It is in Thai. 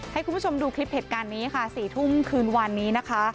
ให้คุณผู้ชมดูคลิปเหตุการณ์นี้ค่ะ๔ทุ่มคืนวันนี้นะคะ